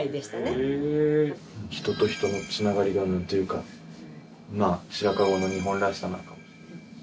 人と人のつながりがなんていうかまあ白川郷の日本らしさなのかも。